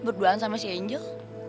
berduaan sama si angel